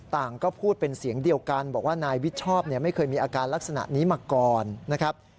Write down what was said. ก็พูดเป็นเสียงเดียวกันบอกว่านายวิชชอบเนี่ยไม่เคยมีอาการลักษณะนี้มาก่อนนะครับ